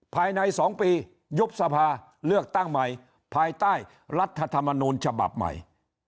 ภายใน๒ปียุบสภาเลือกตั้งใหม่ภายใต้รัฐธรรมนูญฉบับใหม่